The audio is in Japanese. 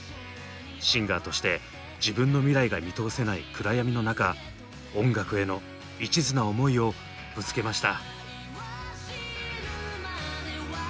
シンガーとして自分の未来が見通せない暗闇の中音楽への一途な思いをぶつけました。